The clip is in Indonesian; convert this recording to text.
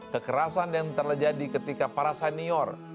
kekerasan yang terjadi ketika para senior